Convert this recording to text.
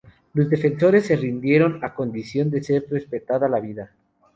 Los defensores se rindieron a condición de ser respetada la vida.